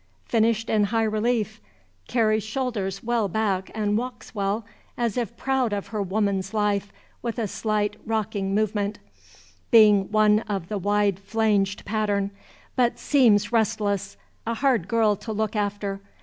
Finished in high relief. Carries shoulders well back and walks well, as if proud of her woman's life, with a slight rocking movement, being one of the wide flanged pattern, but seems restless, a hard girl to look after.